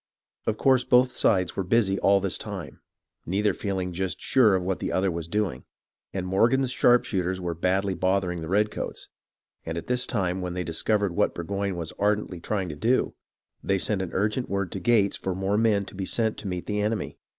Of course both sides were busy all this time, neither feeling just sure of what the other was doing, and Morgan's sharpshooters were badly bothering the redcoats, and at this time, when they dis covered what Burgoyne was ardently trying to do, they sent an urgent word to Gates for more men to be sent to meet the enemy.